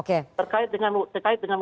angkat terkait dengan